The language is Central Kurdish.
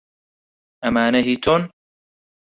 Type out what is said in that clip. ئەمانە هیی تۆن؟